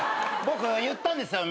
僕言ったんですよ。